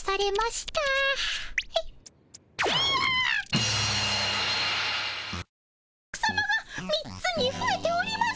なんとシャクさまが３つにふえております。